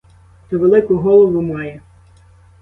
То велику голову має!